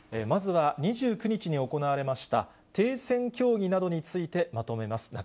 まずは２９日に行われました停戦協議などについてまとめます。